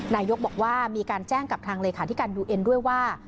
นายกบอกว่ามีการแจ้งกับทางเลขาธิการยูเอ็นด้วยว่า